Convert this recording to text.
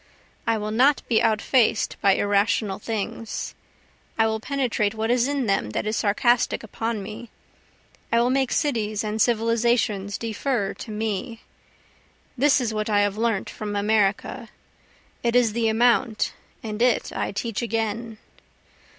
I will not be outfaced by irrational things, I will penetrate what it is in them that is sarcastic upon me, I will make cities and civilizations defer to me, This is what I have learnt from America it is the amount, and it I teach again.